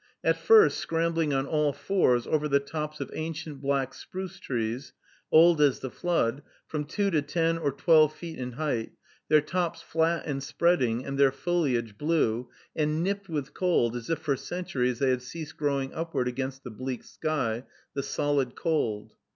At first scrambling on all fours over the tops of ancient black spruce trees (Abies nigra), old as the flood, from two to ten or twelve feet in height, their tops flat and spreading, and their foliage blue, and nipped with cold, as if for centuries they had ceased growing upward against the bleak sky, the solid cold.